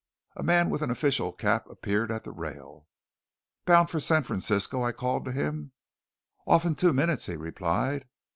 A man with an official cap appeared at the rail. "Bound for San Francisco?" I called to him. "Off in two minutes," he replied.